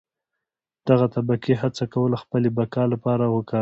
دغه طبقې هڅه کوله خپلې بقا لپاره وکاروي.